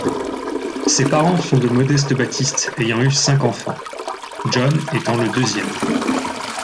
Ses parents sont de modestes baptistes ayant eu cinq enfants, John étant le deuxième.